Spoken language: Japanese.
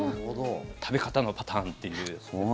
食べ方のパターンという。